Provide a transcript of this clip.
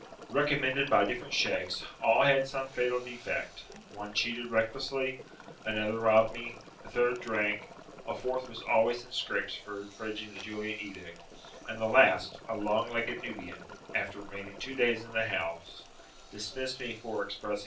Recommended by different Shaykhs, all had some fatal defect; one cheated recklessly, another robbed me, a third drank, a fourth was always in scrapes for infringing the Julian edict, and the last, a long legged Nubian, after remaining two days in the house, dismissed me for expressing [p.